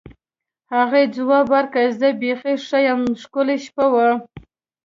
هغې ځواب ورکړ: زه بیخي ښه یم، ښکلې شپه وه.